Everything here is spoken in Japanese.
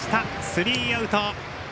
スリーアウト。